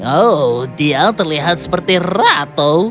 oh dia terlihat seperti rato